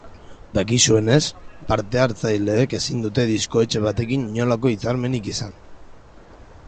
Dakizuenez, parte hartzaileek ezin dute diskoetxe batekin inolako hitzarmenik izan.